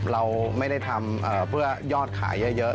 เราไม่ได้ทำเพื่อยอดขายเยอะ